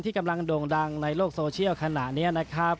กำลังโด่งดังในโลกโซเชียลขณะนี้นะครับ